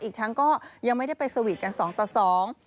อีกทั้งก็ยังไม่ได้ไปสวีทกันสองต่อสอง